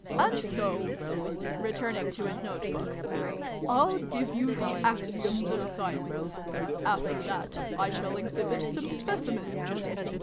And so," return ing to his note book, " I'll give you the Axioms of Science. After that I shall exhibit some Specimens.